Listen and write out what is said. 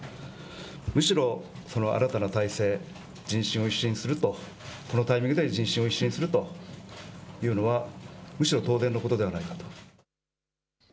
むしろその新たな体制、人心を一新すると、このタイミングで人心を一新するというのはむしろ当然のことではないかと。